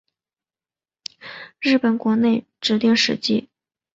日本国内指定史迹。